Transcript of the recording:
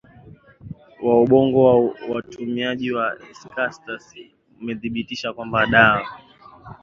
wa ubongo wa watumiaji wa ecstasy umethibitisha kwamba dawa